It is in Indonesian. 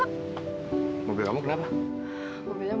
aku mau diberikan bisnis yang namanya